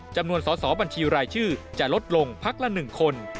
จำนวนสอสอบัญชีรายชื่อจะลดลงพักละ๑คน